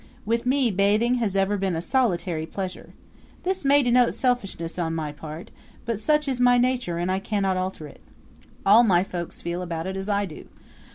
With me, bathing has ever been a solitary pleasure. This may denote selfishness on my part; but such is my nature and I cannot alter it. All my folks feel about it as I do.